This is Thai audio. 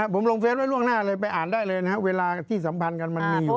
ผมลงเฟสไว้ล่วงหน้าเลยไปอ่านได้เลยนะครับเวลาที่สัมพันธ์กันมันมีอยู่